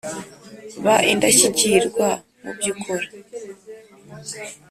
ba indashyikirwa mubyo ukora.